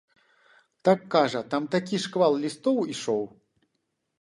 Так, кажа, там такі шквал лістоў ішоў.